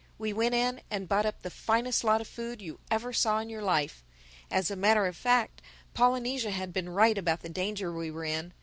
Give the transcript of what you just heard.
We went in and bought up the finest lot of food you ever saw in your life. As a matter of fact, Polynesia had been right about the danger we were in.